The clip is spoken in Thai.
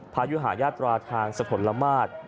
พระอยุฮาญญาตราทางสะทนละมาด